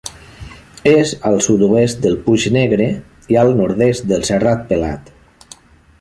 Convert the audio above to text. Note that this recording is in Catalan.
És al sud-oest del Puig Negre i al nord-est del Serrat Pelat.